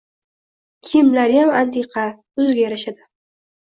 Kiyimlariyam antiqa, o`ziga yarashadi